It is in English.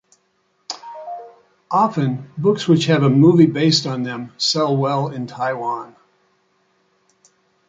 Often books which have a movie based on them sell well in Taiwan.